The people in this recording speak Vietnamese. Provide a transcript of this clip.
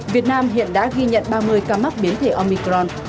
việt nam hiện đã ghi nhận ba mươi ca mắc biến thể omicron